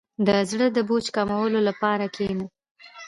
• د زړۀ د بوج کمولو لپاره کښېنه.